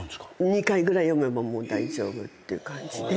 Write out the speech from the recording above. ２回ぐらい読めばもう大丈夫っていう感じで。